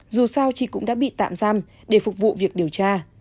dù sao chị cũng đã bị tạm giam để phục vụ việc điều tra